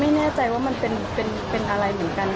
ไม่แน่ใจว่ามันเป็นอะไรเหมือนกัน